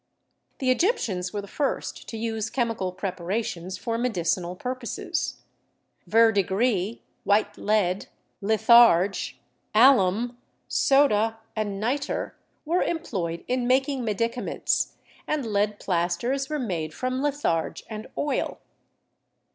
The Egyptians were the first to use chemical prepara tions for medicinal purposes. Verdigris, white lead, lith arge, alum, soda and niter were employed in making medicaments, and lead plasters were made from litharge and oil.